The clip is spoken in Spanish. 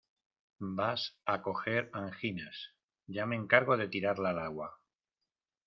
vas a coger anginas, ya me encargo de tirarla al agua.